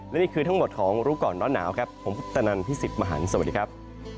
และนี่คือทั้งหมดของรู้ก่อนร้อนหนาวครับผมพุทธนันพี่สิทธิ์มหันฯสวัสดีครับ